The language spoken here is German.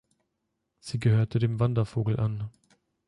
Sie gehörte dem Wandervogel an.